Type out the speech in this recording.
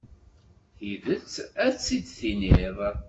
Tidet, ad tt-id-tiniḍ.